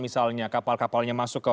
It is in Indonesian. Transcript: misalnya kapal kapalnya masuk ke